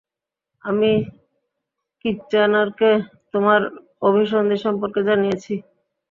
আমি কিচ্যানারকে তোমার অভিসন্ধি সম্পর্কে জানিয়েছি।